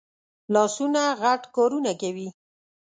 لاسونه غټ کارونه کوي